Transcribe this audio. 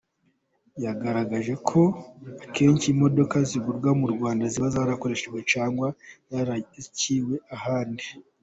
Yagaragaje ko akenshi imodoka zigurwa mu Rwanda ziba zarakoreshejwe cyangwa zaraciwe ahandi.